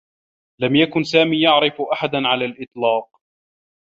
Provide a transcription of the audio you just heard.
لم يكن سامي يعرف أحدا على الإطلاق.